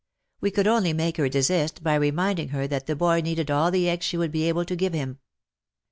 We could only make her desist by reminding her that the boy WAR AND WOMEN 185 needed all the eggs she would be able to give him.